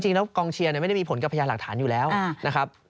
จริงแล้วกองเชียร์ไม่ได้มีผลกับพยานหลักฐานอยู่แล้วนะครับ